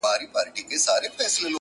پرېږده جهاني ته د خیالي کاروان سندره دي،